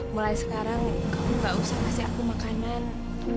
mulai sekarang kamu gak usah kasih aku makanan